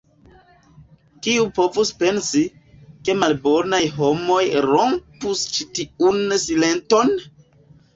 Kiu povus pensi, ke malbonaj homoj rompus ĉi tiun silenton?